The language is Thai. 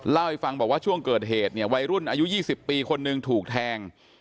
เล่าให้ฟังบอกว่าช่วงเกิดเหตุเนี่ยวัยรุ่นอายุ๒๐ปีคนหนึ่งถูกแทง